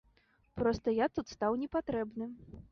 Проста я тут стаў не патрэбны.